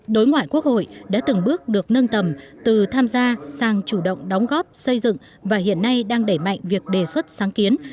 đối ngoại quốc hội đã từng bước được nâng tầm từ tham gia sang chủ động đóng góp xây dựng và hiện nay đang đẩy mạnh việc đề xuất sáng kiến